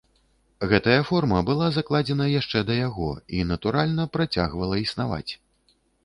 Гэтая форма была закладзена яшчэ да яго і, натуральна, працягвала існаваць.